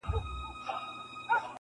دا منم چي مي خپل ورڼه دي وژلي-